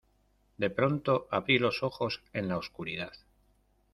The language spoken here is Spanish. de pronto abrí los ojos en la oscuridad.